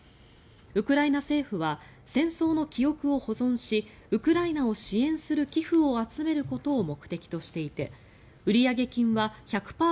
ウクライナ政府は戦争の記憶を保存しウクライナを支援する寄付を集めることを目的としていて売上金は１００％